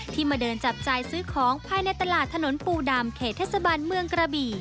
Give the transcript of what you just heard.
มาเดินจับจ่ายซื้อของภายในตลาดถนนปูดำเขตเทศบาลเมืองกระบี่